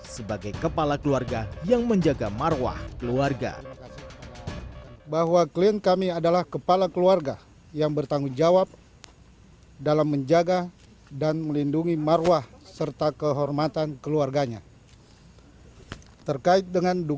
sebagai kepala keluarga yang menjaga marwah keluarga